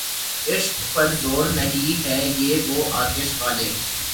عشق پر زور نہیں، ہے یہ وہ آتش غالب